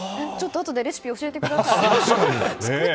あとでレシピ教えてください。